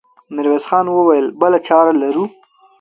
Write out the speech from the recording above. ميرويس خان وويل: بله چاره لرو؟